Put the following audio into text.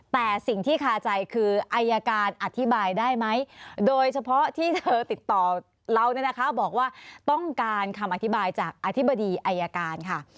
แต่สิ่งที่คาใจคืออายการอธิบายได้ไหมโดยเฉพาะที่เธอติดต่อเราเนี่ยนะคะบอกว่าต้องการคำอธิบายจากอธิบดีอายการค่ะ